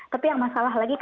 tapi yang masalah lagi